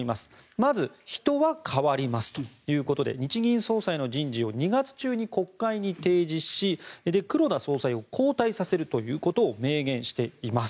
まず人は代わりますということで日銀総裁の人事を２月中に国会に提示し黒田総裁を交代させるということを明言しています。